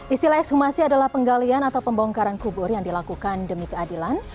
istilah ekshumasi adalah penggalian atau pembongkaran kubur yang dilakukan demi keadilan